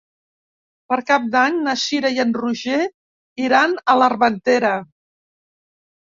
Per Cap d'Any na Cira i en Roger iran a l'Armentera.